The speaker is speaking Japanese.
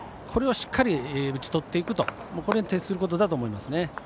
これをしっかり打ち取っていくこれに徹することだと思います。